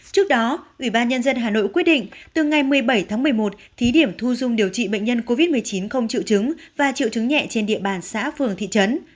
trước đó ubnd hà nội quyết định từ ngày một mươi bảy một mươi một thí điểm thu dung điều trị bệnh nhân covid một mươi chín không triệu chứng và triệu chứng nhẹ trên địa bàn xã phường thị trấn